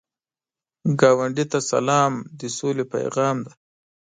ګاونډي ته سلام، د سولې پیغام دی